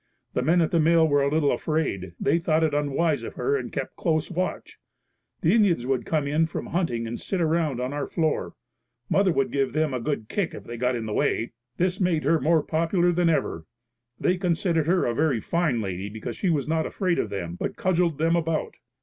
The men at the mill were a little afraid. They thought it unwise of her and kept close watch. The Indians would come in from hunting and sit around on our floor. Mother would give them a good kick if they got in the way. This made her more popular than ever. They considered her a very fine lady because she was not afraid of them, but cudgelled them about.